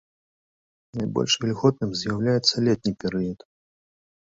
Найбольш вільготным з'яўляецца летні перыяд.